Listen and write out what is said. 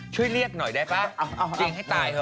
ช่วยเรียกหน่อยได้ป่ะ